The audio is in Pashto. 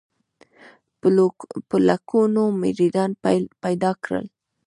په لکونو مریدان پیدا کړل.